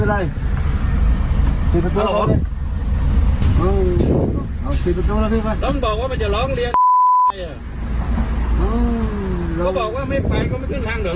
มันบอกฉันส่งละมันเริ่มมีเรื่องรถแท็กซี่อะ